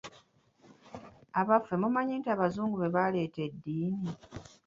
Abaffe mumanyi nti abazungu baaleeta eddiini?